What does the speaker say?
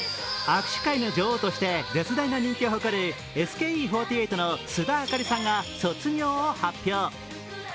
握手会の女王として絶大な人気を誇るＳＫＥ４８の須田亜香里さんが卒業を発表。